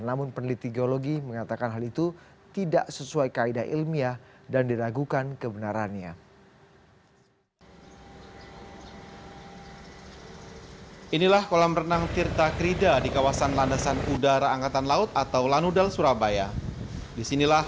namun peneliti geologi mengatakan hal itu tidak sesuai kaedah ilmiah dan diragukan kebenarannya